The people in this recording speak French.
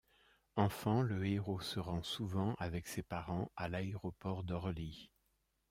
Enfant, le héros se rend souvent avec ses parents à l'aéroport d'Orly.